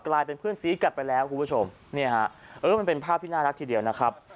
กลายเป็นเพื่อนซีกัดไปแล้วคุณผู้ชมเนี่ยฮะเออมันเป็นภาพที่น่ารักทีเดียวนะครับ